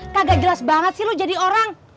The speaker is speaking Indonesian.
kagak jelas banget sih lo jadi orang